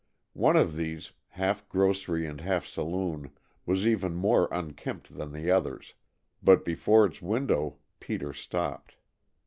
One of these, half grocery and half saloon, was even more unkempt than the others, but before its window Peter stopped.